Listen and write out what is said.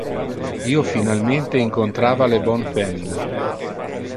Io finalmente incontrava le bon femina.